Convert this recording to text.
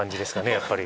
やっぱり。